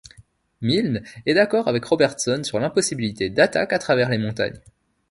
Milne est d'accord avec Robertson sur l'impossibilité d'attaques à travers les montagnes.